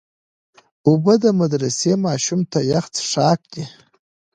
اوبه د مدرسې ماشوم ته یخ څښاک دی.